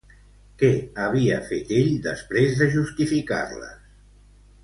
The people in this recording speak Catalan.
Què havia fet ell després per justificar-les?